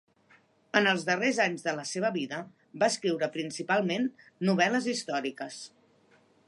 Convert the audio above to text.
En els darrers anys de la seva vida va escriure principalment novel·les històriques.